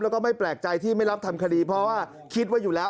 แล้วก็ไม่แปลกใจที่ไม่รับทำคดีเพราะว่าคิดว่าอยู่แล้ว